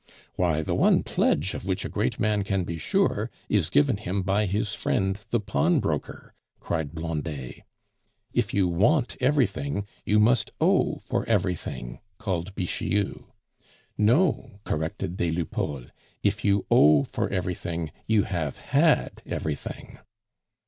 "Why, the one pledge of which a great man can be sure, is given him by his friend the pawnbroker," cried Blondet. "If you want everything, you must owe for everything," called Bixiou. "No," corrected des Lupeaulx, "if you owe for everything, you have had everything."